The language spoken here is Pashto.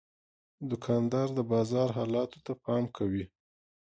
دوکاندار د بازار حالاتو ته پام کوي.